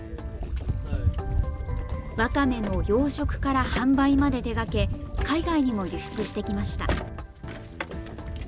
わかめの養殖から販売まで手がけ、海外にも輸出してきました。